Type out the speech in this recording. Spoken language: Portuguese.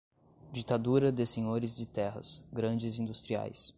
ditadura de senhores de terras, grandes industriais